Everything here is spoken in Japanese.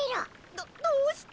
どどうして。